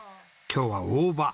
今日は大葉。